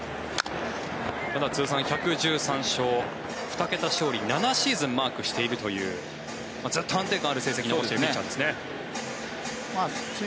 通算１１３勝２桁勝利７シーズンマークしているというずっと安定感ある成績のピッチャーですね。